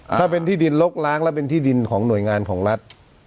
ถ้าเป็นที่ดินลกล้างแล้วเป็นที่ดินของหน่วยงานของรัฐ